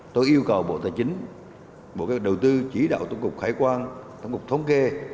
tôi yêu cầu bộ tài chính bộ tài chính chỉ đạo tổng cục khải quan tổng cục thống kê